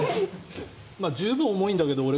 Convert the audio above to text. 十分重いんだけど。